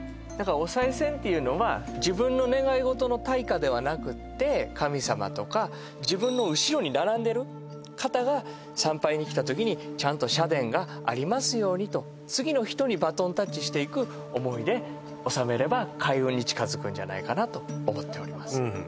だからお賽銭っていうのは自分の願い事の対価ではなくって神様とか自分の後ろに並んでる方が参拝に来た時にちゃんと社殿がありますようにと次の人にバトンタッチしていく思いで納めれば開運に近づくんじゃないかなと思っております